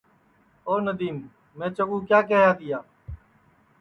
آو ندیم میں چکُو کیا کیہیا تیا